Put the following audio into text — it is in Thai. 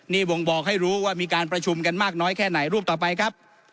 นี่บ่งบอกให้รู้ว่ามีการประชุมกันมากน้อยแค่ไหนรูปต่อไปครับ